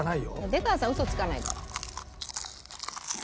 出川さんウソつかないから。